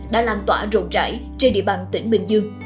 đã làm tỏa rộn rãi trên địa bàn tỉnh bình dương